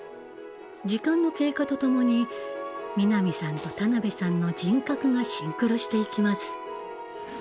時間の経過とともに南さんと田辺さんの人格がシンクロしていきます。